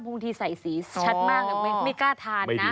บางทีใส่สีชัดมากไม่กล้าทานนะ